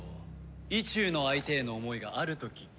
意中の相手への思いがある時急に冷める。